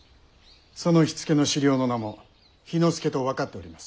その火付けの首領の名も「氷ノ介」と分かっております。